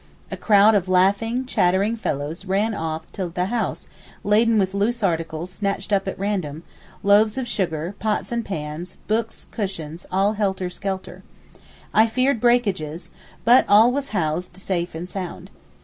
A crowd of laughing, chattering fellows ran off to the house laden with loose articles snatched up at random, loaves of sugar, pots and pans, books, cushions, all helter skelter. I feared breakages, but all was housed safe and sound.